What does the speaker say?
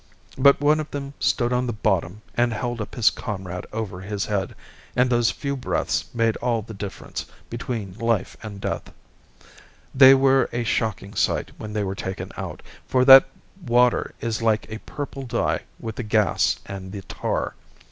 But one of them stood on the bottom and held up his comrade over his head, and those few breaths made all the difference between life and death. They were a shocking sight when they were taken out, for that water is like a purple dye with the gas and the tar.